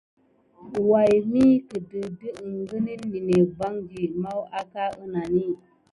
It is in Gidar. Way mi kədə di əŋgənən ninek vandi? Maw aka ənani.